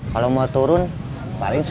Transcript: kalau mau turun paling satu ratus lima puluh